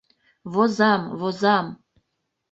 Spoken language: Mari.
Возам, возам.